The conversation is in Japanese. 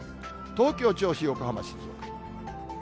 東京、銚子、横浜、静岡。